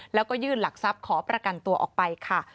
แล้วก็ยื่นหลักทรัพย์ขอประกันตัวออกไปค่ะ